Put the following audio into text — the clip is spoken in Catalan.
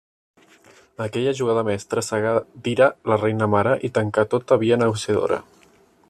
Aquella jugada mestra cegà d'ira la reina mare i tancà tota via negociadora.